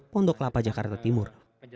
pondok kelapa jakarta timur